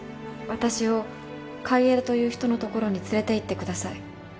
私を海江田という人のところに連れていってください。